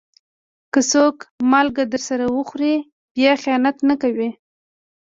که څوک مالګه درسره وخوري، بیا خيانت نه کوي.